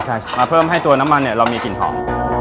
ใช่มาเพิ่มให้ตัวน้ำมันเนี่ยเรามีกลิ่นหอม